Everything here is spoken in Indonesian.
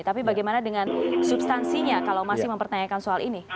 tapi bagaimana dengan substansinya kalau masih mempertanyakan soal ini